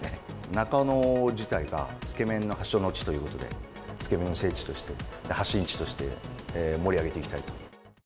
中野自体がつけ麺の発祥の地ということで、つけ麺の聖地として、発信地として、盛り上げていきたいと。